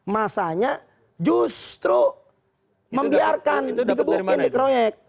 masanya justru membiarkan digebukin dikroyek